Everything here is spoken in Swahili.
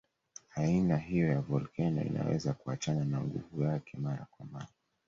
Aina hiyo ya volkeno inaweza kuachana na nguvu yake mara kwa mara.